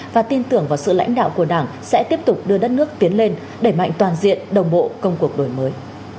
và tin tưởng vào sự lãnh đạo của đảng sẽ tiếp tục đưa đất nước tiến lên đẩy mạnh toàn diện đồng bộ công cuộc đổi mới